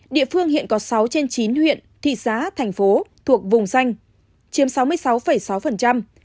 địa phương hiện có sáu trên chín huyện thị xã thành phố thuộc vùng xanh chiếm sáu mươi sáu sáu